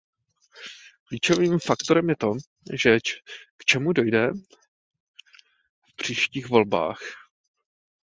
Klíčovým faktorem je to, k čemu dojde v příštích volbách.